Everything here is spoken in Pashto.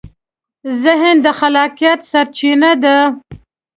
ذهن د خلاقیت سرچینه ده.